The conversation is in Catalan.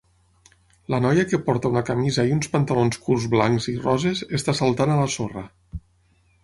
La noia que porta una camisa i uns pantalons curts blancs i roses està saltant a la sorra.